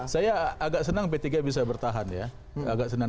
saya agak senang p tiga bisa bertahan ya agak senang